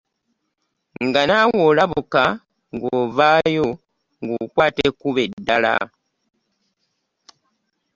Nga naawe olabuka ng'ovaayo nga okwata ekkkubo eddala .